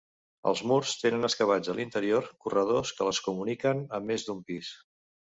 Els murs tenen excavats a l’interior corredors que les comuniquen, amb més d’un pis.